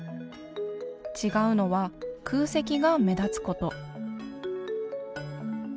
違うのは空席が目立つこと。